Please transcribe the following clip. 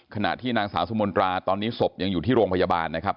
ขณะที่นางสาวสุมนตราตอนนี้ศพยังอยู่ที่โรงพยาบาลนะครับ